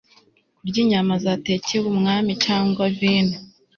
kurya inyama zatekewe umwami cyangwa vino